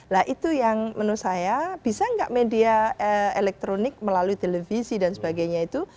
nah itu yang menurut saya bisa nggak media elektronik melalui televisi dan sebagainya itu